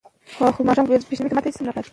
که ماشوم ته درناوی وسي هغه وده کوي.